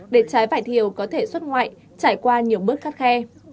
để trái vải thiều có thể xuất ngoại trải qua nhiều bước khắt khe